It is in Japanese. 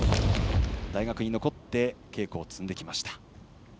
大学に残って稽古を積んできました。